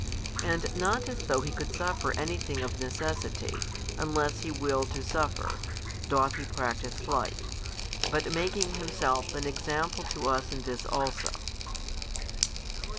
And not as though He could suffer anything of necessity, unless He willed to suffer, doth He practise flight: but making Himself an Example to us in this also.